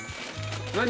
何？